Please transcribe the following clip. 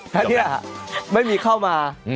แค่นี้ค่ะไม่มีเข้ามา